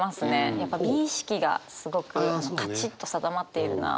やっぱ美意識がすごくカチッと定まっているなと思って。